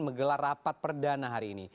menggelar rapat perdana hari ini